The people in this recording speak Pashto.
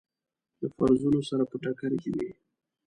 له فرضونو سره په ټکر کې وي.